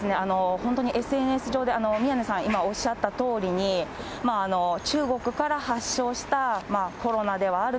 本当にＳＮＳ上で、宮根さん、今、おっしゃったとおりに、中国から発症したコロナではある